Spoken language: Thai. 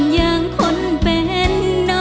อย่างคนเป็น